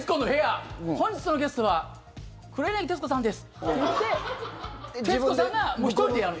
本日のゲストは黒柳徹子さんですっていって徹子さんが１人でやる。